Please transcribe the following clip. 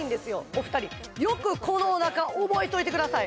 お二人よくこのおなか覚えておいてください